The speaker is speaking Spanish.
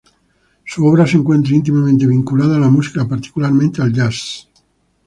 Su obra se encuentra íntimamente vinculada a la música, particularmente al jazz.